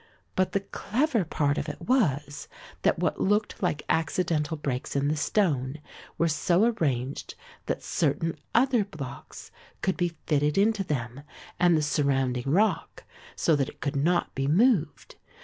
But the clever part of it was, that what looked like accidental breaks in the stone were so arranged that certain other blocks could be fitted into them and the surrounding rock so that it could not be moved.